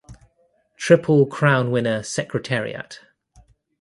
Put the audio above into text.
Triple Crown winner Secretariat.